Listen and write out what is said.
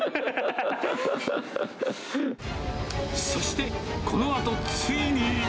そして、このあとついに。